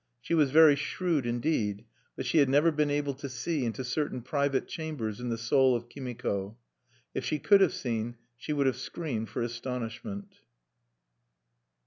She was very shrewd indeed; but she had never been able to see into certain private chambers in the soul of Kimiko. If she could have seen, she would have screamed for astonishment.